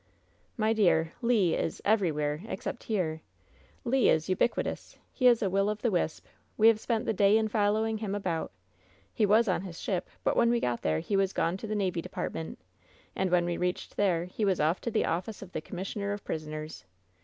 "My dear, Le is — everywhere — except here I Le is — ubiquitous! He is a will o' the wisp 1 We have spent the day in following him about He was on his ship — but when we got there he was gone to the navy depart ment, and when we reached there he was off to the office of the commissioner of prisoners.